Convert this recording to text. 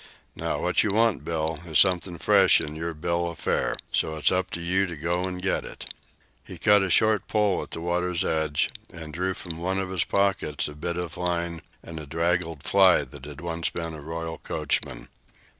Now, what you want, Bill, is something fresh in yer bill o' fare. So it's up to you to go an' get it." He cut a short pole at the water's edge and drew from one of his pockets a bit of line and a draggled fly that had once been a royal coachman.